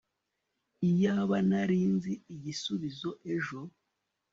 iyaba nari nzi igisubizo ejo